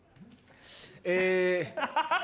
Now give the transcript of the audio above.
え。